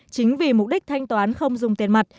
chính vì mục đích thanh toán không dùng tiền mặt